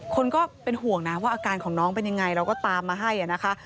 ก็เป็นห่วงนะว่าอาการของน้องเป็นยังไงเราก็ตามมาให้นะคะ